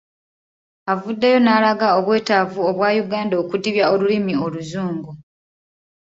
Avuddeyo n’alaga obwetaavu obwa Uganda okudibya olulimi Oluzungu.